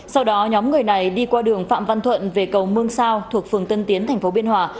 sau đó nhóm người này đi qua đường phạm văn thuận về cầu mương sao thuộc phường tân tiến tp biên hòa